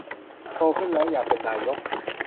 โตขึ้นแล้วอยากเป็นนายก